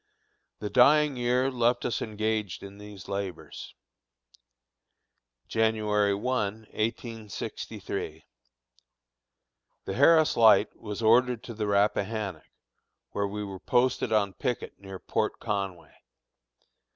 The dying year left us engaged in these labors. January 1, 1863. The Harris Light was ordered to the Rappahannock, where we were posted on picket near Port Conway.